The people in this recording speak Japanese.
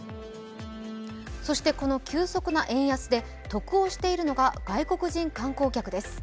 この急速な円安で得をしているのが外国人観光客です。